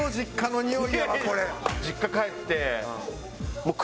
実家帰ってもう。